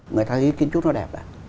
người ta thấy kiến trúc nó đẹp rồi